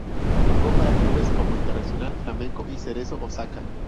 Jugó para clubes como el Internacional, Flamengo y Cerezo Osaka.